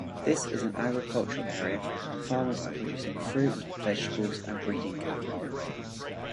This is an agricultural area and farmers are producing fruit, vegetables and breeding cattle.